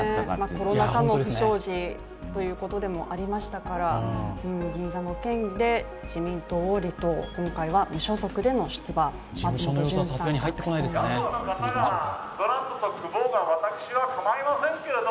コロナ禍の不祥事ということもありましたから、銀座の件で自民党を離党、今回は無所属での出馬となりました。